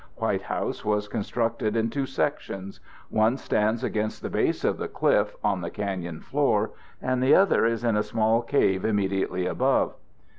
White House was constructed in two sections; one stands against the base of the cliff on the canyon floor, and the other is in a small cave immediately above.